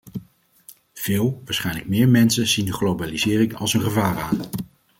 Veel - waarschijnlijk meer - mensen zien de globalisering als een gevaar aan.